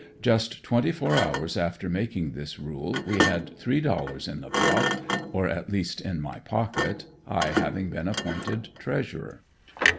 Just twenty four hours after making this rule we had three dollars in the pot or at least in my pocket, I having been appointed treasurer.